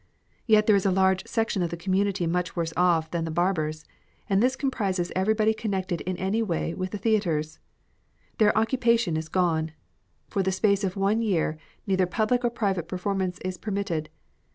Yet there is a large section of the community much worse off than the barbers, and this comprises ever}"body connected in any way with the theatres. Their occupation is gone. For the space of one year neither public or private performance is permitted.